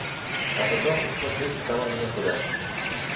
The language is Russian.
А потом и смотреть стало некуда.